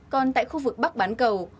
còn tại khu vực bắc bán cầu